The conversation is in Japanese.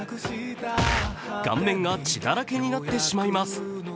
顔面が血だらけになってしまいます。